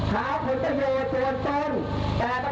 และสมดริมสึกต่อไป